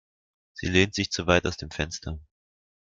Sie lehnt sich zu weit aus dem Fenster.